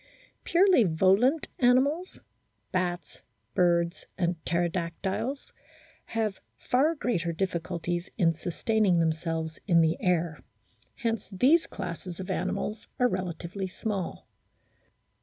Purely volant animals, bats, birds, and pterodactyles, have far greater difficulties in sustaining themselves o o in the air ; hence these classes of animals are relatively small.